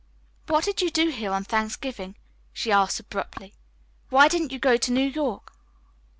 "What did you do here on Thanksgiving?" she asked abruptly. "Why didn't you go to New York?"